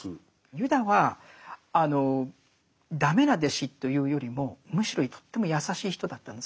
ユダは駄目な弟子というよりもむしろとっても優しい人だったんです